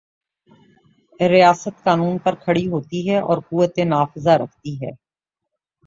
ریاست قانون پر کھڑی ہوتی اور قوت نافذہ رکھتی ہے۔